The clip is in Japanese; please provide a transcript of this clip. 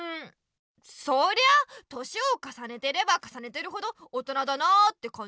そりゃあ年をかさねてればかさねてるほど大人だなってかんじるよ。